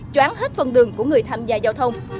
tráng hết phần đường của người tham gia giao thông